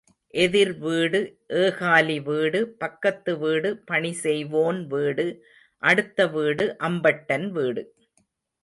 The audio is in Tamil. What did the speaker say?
எதிர் வீடு ஏகாலி வீடு பக்கத்து வீடு பணி செய்வோன் வீடு அடுத்த வீடு அம்பட்டன் வீடு.